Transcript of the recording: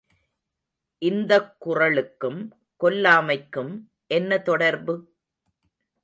இந்தக் குறளுக்கும் கொல்லாமைக்கும் என்ன தொடர்பு?